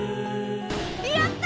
やった！